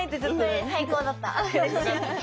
それ最高だった。